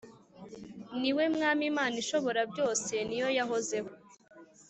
Ni we Mwami Imana Ishoborabyose ni yo yahozeho